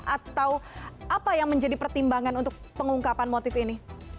atau apa yang menjadi pertimbangan untuk pengungkapan motif ini